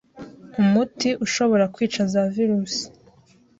umuti ushobora kwica za virusi